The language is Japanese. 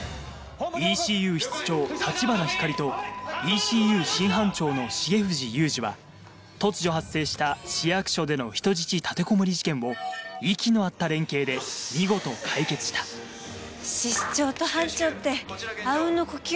ＥＣＵ室長橘ひかりとＥＣＵ新班長の重藤雄二は突如発生した市役所での人質立てこもり事件を息の合った連携で見事解決した室長と班長ってあうんの呼吸。